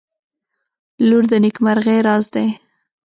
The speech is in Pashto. • لور د نیکمرغۍ راز دی.